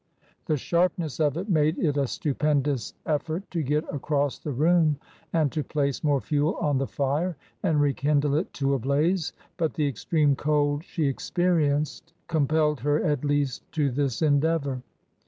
The sharp ness of it made it a stupendous effort to get across the room and to place more fuel on the fire and rekindle it to a blaze, but the extreme cold she experienced compelled her at least to this endeavour.